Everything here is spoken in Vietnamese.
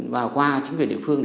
vào qua chính quyền địa phương